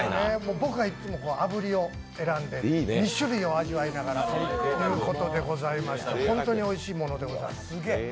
僕はいっつも、あぶりを選んで、２種類を味わいながらということでございまして本当においしいものでございます。